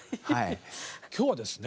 今日はですね